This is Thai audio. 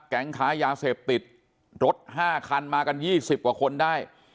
แก๊งค้ายาเสพติดรถ๕คันมากัน๒๐กว่าคนได้